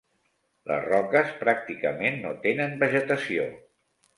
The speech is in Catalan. Les roques pràcticament no tenen vegetació.